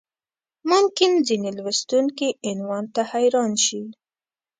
ممکن ځینې لوستونکي عنوان ته حیران شي.